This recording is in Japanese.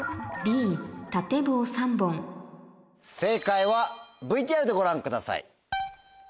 正解はＶＴＲでご覧ください。